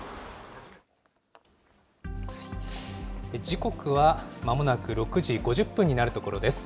時刻はまもなく６時５０分になるところです。